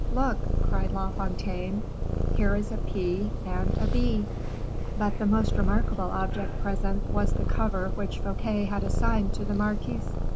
"Look," cried La Fontaine, "here is a P and a B." But the most remarkable object present was the cover which Fouquet had assigned to the marquise.